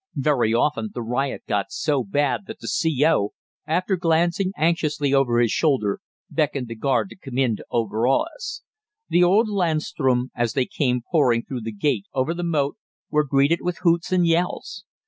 Very often the riot got so bad that the C.O., after glancing anxiously over his shoulder, beckoned the guard to come in to overawe us. The old Landsturm, as they came pouring through the gate over the moat, were greeted with hoots and yells.